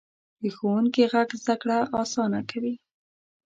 د ښوونکي غږ زده کړه اسانه کوي.